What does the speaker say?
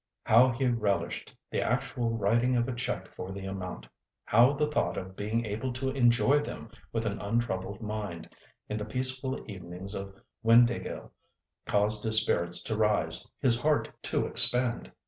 How he relished the actual writing of a cheque for the amount! How the thought of being able to enjoy them with an untroubled mind, in the peaceful evenings at Windāhgil, caused his spirits to rise, his heart to expand!